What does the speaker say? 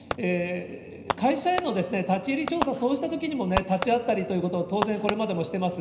会社への立ち入り調査、そうしたときにも立ち会ったりということを当然これまでもしてます。